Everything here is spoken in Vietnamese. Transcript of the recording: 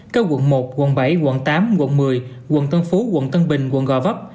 các quận một quận bảy quận tám quận một mươi quận tân phú quận tân bình quận gò vấp